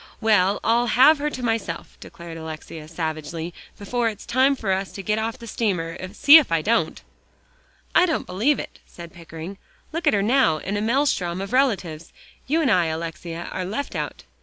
"Well, I'll have her to myself," declared Alexia savagely, "before it's time for us to get off the steamer, see if I don't." "I don't believe it," said Pickering. "Look at her now in a maelstrom of relatives. You and I, Alexia, are left out."